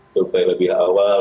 survei lebih awal